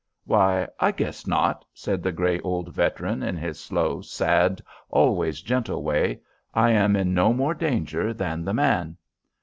"Why, I guess not," said the grey old veteran in his slow, sad, always gentle way. "I am in no more danger than the man."